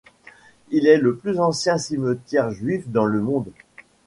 Il est le plus ancien cimetière juif dans le monde.